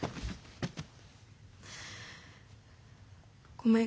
ごめん。